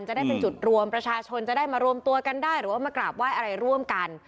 จะได้เป็นจุดรวมประชาชนจะได้มารวมตัวกันได้หรือว่ามากราบไหว้อะไรร่วมกัน